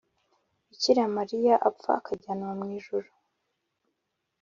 bikira mariya apfa akajyanwa mw’ijuru.